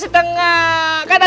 lama banget kamu